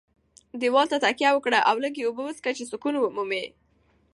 دېوال ته تکیه وکړه او لږې اوبه وڅښه چې سکون ومومې.